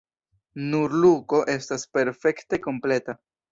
Nur Luko estas perfekte kompleta.